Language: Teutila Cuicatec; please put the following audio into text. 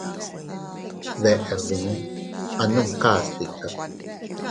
Deʼer dii, anumkas tika.